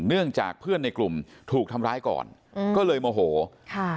เนื่องจากเพื่อนในกลุ่มถูกทำร้ายก่อนอืมก็เลยโมโหค่ะ